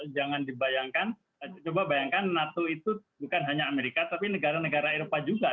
jangan dibayangkan coba bayangkan nato itu bukan hanya amerika tapi negara negara eropa juga